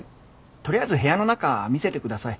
とりあえず部屋の中見せてください。